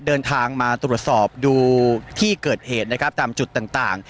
เดินทางมาตรวจสอบดูที่เกิดเหตุนะครับตามจุดต่าง